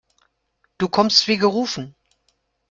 Du kommst wie gerufen.